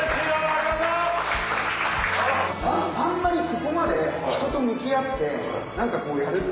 あんまりここまで人と向き合って何かやるって。